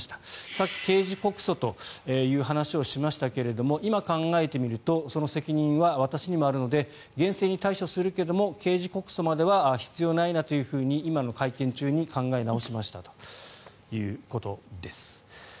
さっき刑事告訴という話をしましたけれど今、考えてみるとその責任は私にもあるので厳正に対処するけども刑事告訴までは必要ないなと今の会見中に考え直しましたということです。